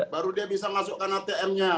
baru dia bisa masukkan atm nya